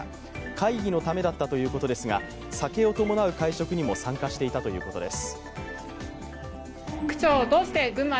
会議のためだったということですが、酒を伴う会食にも参加していたということです。